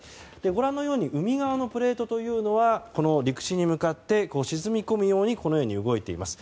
ご覧のように、海側のプレートは陸地に向かって沈み込むように動いています。